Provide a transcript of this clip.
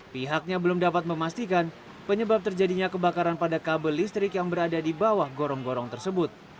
pihaknya belum dapat memastikan penyebab terjadinya kebakaran pada kabel listrik yang berada di bawah gorong gorong tersebut